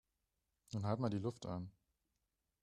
Nun halt mal die Luft an